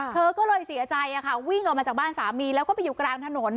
เธอก็เลยเสียใจในของวิ่งกลับมาค่ะจากด้านสามีและก็ไปอยู่กลางถนน